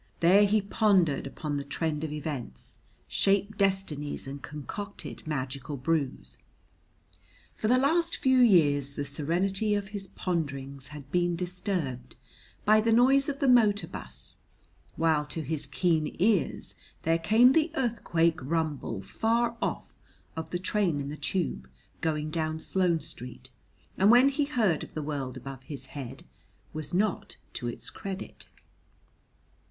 There he pondered upon the trend of events, shaped destinies and concocted magical brews. For the last few years the serenity of his ponderings had been disturbed by the noise of the motor bus; while to his keen ears there came the earthquake rumble, far off, of the train in the tube, going down Sloane Street; and when he heard of the world above his head was not to its credit.